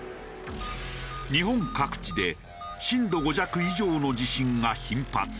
日本各地で震度５弱以上の地震が頻発。